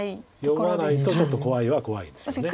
読まないとちょっと怖いは怖いですよね。